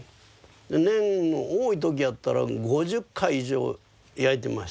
年の多い時やったら５０回以上焼いてました。